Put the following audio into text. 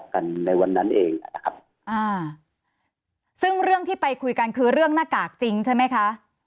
กันในวันนั้นเองนะครับอ่าซึ่งเรื่องที่ไปคุยกันคือเรื่องหน้ากากจริงใช่ไหมคะ